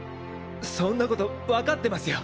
そんなこと分かってますよ。